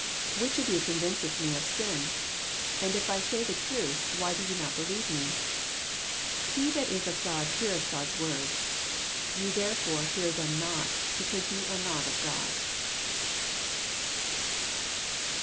46 Which of you eonvineeth me of sin 7 And if I say the truth, why do ye not believe me 7 47 He that is of God heaieth God'a words: ye therefore hear ^^em not^ be eaose ye are not of God.